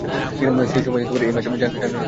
সেসময় এই মাস আর জানুয়ারির শেষ দিন এক বার পড়ে।